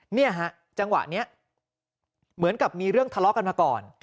เนี่ยฮะจังหวะนี้เหมือนกับมีเรื่องทะเลาะกันมาก่อน